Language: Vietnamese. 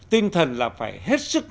tinh thần là phải hết sức